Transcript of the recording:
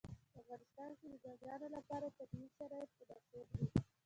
په افغانستان کې د بامیان لپاره طبیعي شرایط مناسب دي.